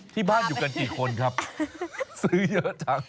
ที่บ้านอยู่กันกี่คนครับซื้อเยอะจัง